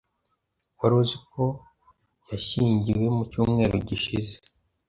Wari uzi ko yashyingiwe mu cyumweru gishize?